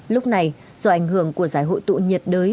lúc này do ảnh hưởng của giải hội tụ nhiệt đới